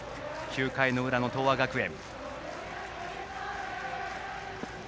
９回の裏の東亜学園。